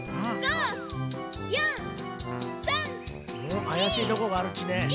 あやしいとこがあるっちね。